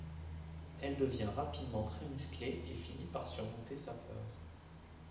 Elle devient rapidement très musclée et finit par surmonter sa peur.